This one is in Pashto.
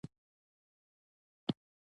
په زر اووه سوه اوه څلوېښت کال کې.